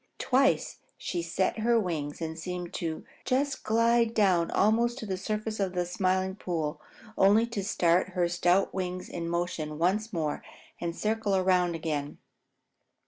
Twice she set her wings and seemed to just slide down almost to the surface of the Smiling Pool, only to start her stout wings in motion once more and circle around again.